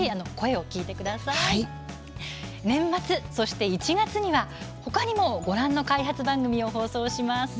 年末そして１月には、ほかにもご覧の開発番組を放送します。